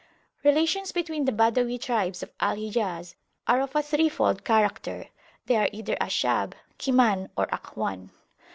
Relations between the Badawi tribes of Al Hijaz are of a threefold character: they are either Ashab, Kiman, or Akhwan.